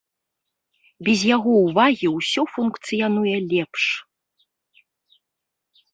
Без яго ўвагі ўсё функцыянуе лепш.